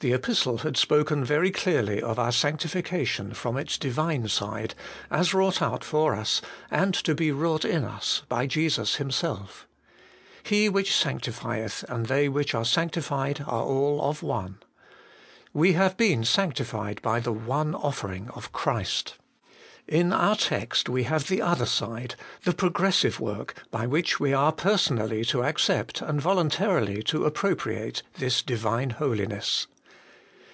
The Epistle had spoken very clearly of our sancti fication from its Divine side, as wrought out for us, and to be wrought in us, by Jesus Himself. ' He HOLINESS AND CHASTISEMENT. 255 which sanctifieth and they which are sanctified are all of one.' ' We have been sanctified by the one offering of Christ.' In our text we have the other side, the progressive work by which we are person ally to accept and voluntarily to appropriate this Divine Holiness.